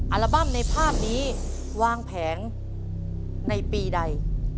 อัลบั้มในภาพนี้วางแผงในปีใด